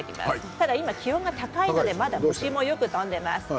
ただ、今、気温が高いのでまだ虫もよく飛んでいます。